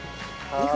２分。